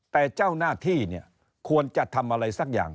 แต่เจ้าหน้าที่เนี่ยควรจะทำอะไรสักอย่าง